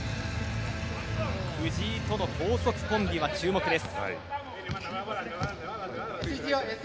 藤井との高速コンビは注目です。